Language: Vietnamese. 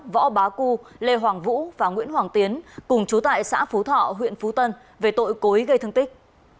võ bá cư lê hoàng vũ và nguyễn hoàng tiến cùng trú tại xã phú thọ huyện phú tân về tội cối gây thương tích